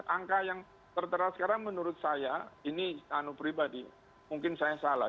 angka yang tertera sekarang menurut saya ini anu pribadi mungkin saya salah